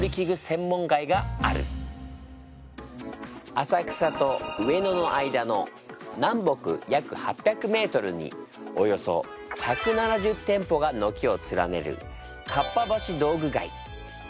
浅草と上野の間の南北約８００メートルにおよそ１７０店舗が軒を連ねるかっぱ橋道具街。